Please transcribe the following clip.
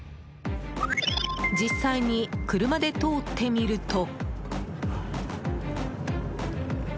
実際に車で通ってみると。